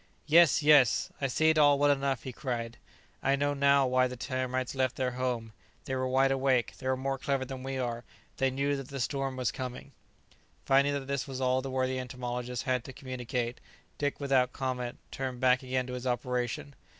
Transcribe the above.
"Yes, yes; I see it all well enough," he cried; "I know now why the termites left their home; they were wide awake; they were more clever than we are; they knew that the storm was coming!" Finding that this was all the worthy entomologist had to communicate, Dick, without comment, turned back again to his operation.